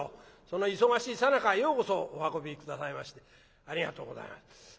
その忙しいさなかようこそお運び下さいましてありがとうございます。